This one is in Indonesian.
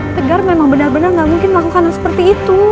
tegar memang benar benar nggak mungkin melakukan hal seperti itu